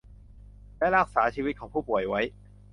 และรักษาชีวิตของผู้ป่วยไว้